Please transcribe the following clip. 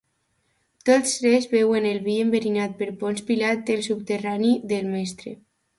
Tots tres beuen el vi enverinat per Ponç Pilat al subterrani del Mestre.